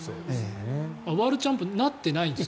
ワールドチャンピオンになってないんですか？